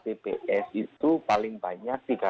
tps itu paling banyak